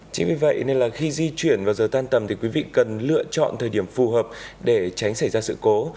chính vì vậy nên là khi di chuyển vào giờ tan tầm thì quý vị cần lựa chọn thời điểm phù hợp để tránh xảy ra sự cố